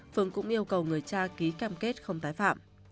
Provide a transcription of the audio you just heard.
phương cũng yêu cầu người cha ký cam kết không tái phạm